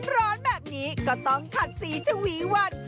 ร้อนแบบนี้ก็ต้องขัดสีชวีวัน